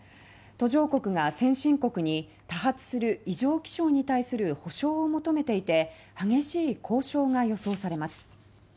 途上国が先進国に多発する異常気象に対する補償を求めていて激しい交渉が予想されます。